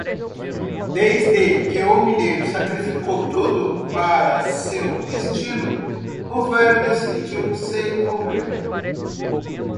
Desde que o mineiro sacrificou tudo para seu destino, o velho decidiu se envolver.